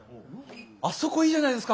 あそこいいじゃないですか。